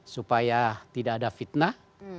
supaya tidak ada fitnah